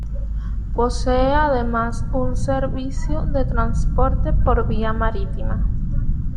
Posee además un servicio de transporte por vía marítima.